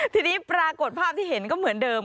ทีนี้ปรากฏภาพที่เห็นก็เหมือนเดิม